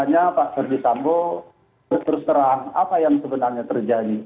ternyata pak ferdisambo berterang apa yang sebenarnya terjadi